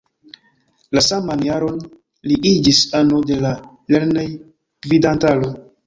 La saman jaron li iĝis ano de la lernejgvidantaro.